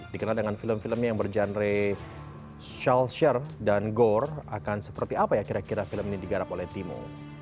dikenal dengan film film yang berjenre shelter dan gore akan seperti apa ya kira kira film ini digarap oleh timo